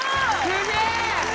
すげえ！